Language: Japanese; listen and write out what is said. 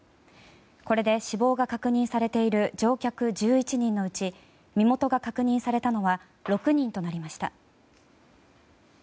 これで、死亡が確認されている乗客１１人のうち身元が確認されたのは６人となりました。